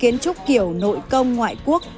kiến trúc kiểu nội công ngoại quốc